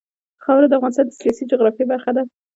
خاوره د افغانستان د سیاسي جغرافیه برخه ده.